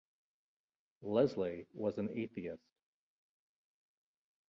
Leslie was an atheist.